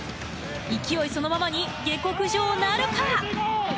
勢いそのままに下克上なるか。